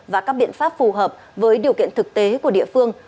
và các biện pháp phù hợp với điều kiện thực tế của địa phương